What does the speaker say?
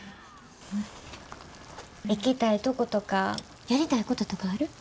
行きたいとことかやりたいこととかある？